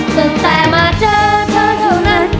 ตั้งแต่มาเจอเธอเท่านั้น